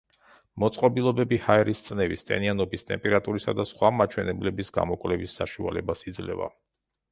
მოწყობილობები ჰაერის წნევის, ტენიანობის, ტემპერატურისა და სხვა მაჩვენებლების გამოკვლევის საშუალებას იძლევა.